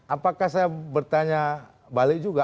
apakah saya bertanya balik juga